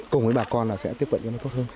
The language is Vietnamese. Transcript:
cùng với bà con là sẽ tiếp cận cho nó tốt hơn